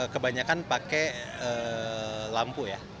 kebanyakan pakai lampu